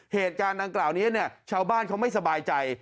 เหตุการณ์ดังกล่าวนี้เนี่ยชาวบ้านเขาไม่สบายใจ